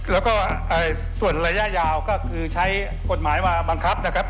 แล้วก็ส่วนระยะยาวก็คือใช้กฎหมายมาบังคับนะครับ